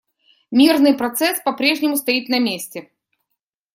Мирный процесс попрежнему стоит на месте.